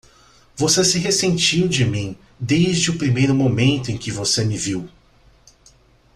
Você se ressentiu de mim desde o primeiro momento em que você me viu!